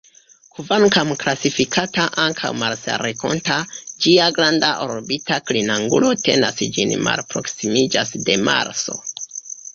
Kvankam klasifikata ankaŭ marsrenkonta, ĝia granda orbita klinangulo tenas ĝin malproksimiĝas de Marso.